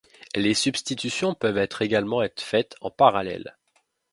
Les substitutions peuvent être également être faites en parallèle.